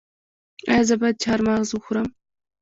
ایا زه باید چهارمغز وخورم؟